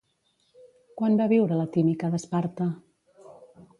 Quan va viure la Timica d'Esparta?